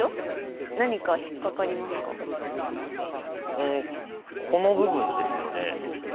うんこの部分ですよね。